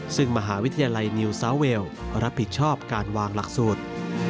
ซึ่งมหาวิทยาลัยนิวซาวเวลรับผิดชอบการวางหลักสูตร